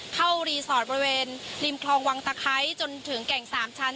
รีสอร์ทบริเวณริมคลองวังตะไคร้จนถึงแก่ง๓ชั้น